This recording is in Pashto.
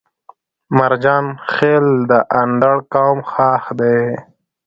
مرجان خيل د اندړ قوم خاښ دی